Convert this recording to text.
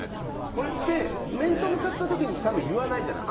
これって、面と向かった時に多分、言わないじゃない。